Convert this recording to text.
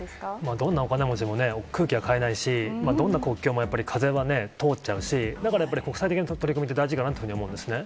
どんなお金持ちもね、空気は買えないし、どんな国境も風は通っちゃうし、だからやっぱり国際的な取り組みって大事かなと思うんですね。